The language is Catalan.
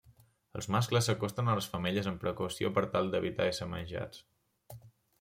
Els mascles s'acosten a les femelles amb precaució per tal d'evitar ésser menjats.